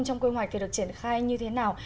trong quy hoạch thì được triển khai như thế nào